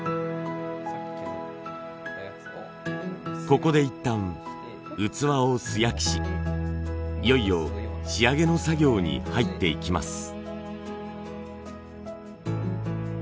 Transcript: ここで一旦器を素焼きしいよいよ仕上げの作業に入っていきます。